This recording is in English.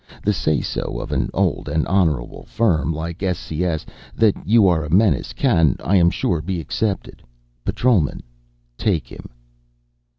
The say so of an old and honorable firm like S. C. S. that you are a menace, can, I am sure, be accepted. Patrolmen, take him!"